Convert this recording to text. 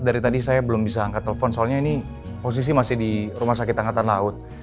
dari tadi saya belum bisa angkat telepon soalnya ini posisi masih di rumah sakit angkatan laut